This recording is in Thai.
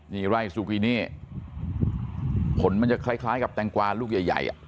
นี่ไร่ซูกินี่ผลมันจะคล้ายกับแตงกวาลูกใหญ่